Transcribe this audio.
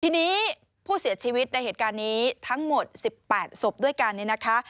ทีนี้ผู้เสียชีวิตในเหตุการณ์นี้ทั้งหมด๑๘ศพด้วยกันเนี่ยนะคะ